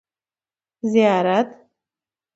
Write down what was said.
زیارت